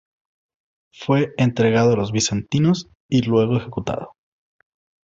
Fue entregado a los bizantinos y luego ejecutado.